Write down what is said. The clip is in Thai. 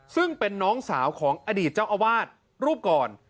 ซึ่งเป็นน้องสาวของอดีตเจ้าอาวาสรูปก่อน